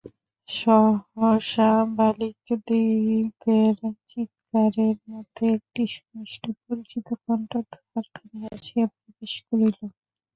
সহসা বালকদিগের চীৎকারের মধ্যে একটি সুমিষ্ট পরিচিত কণ্ঠ তাঁহার কানে আসিয়া প্রবেশ করিল।